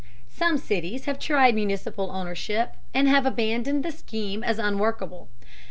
Some cities have tried municipal ownership and have abandoned the scheme as unworkable.